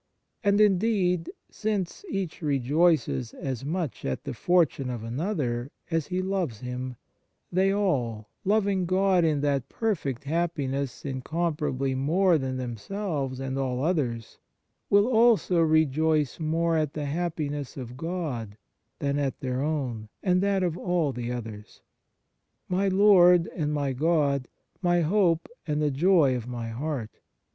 And, indeed, since each rejoices as much at the fortune of another as he loves him, they all, loving God in that perfect happiness incomparably more than themselves and all others, will also rejoice more at the happiness of God than at their own, and that of all others. ... My Lord and my God, my Hope and the Joy of my heart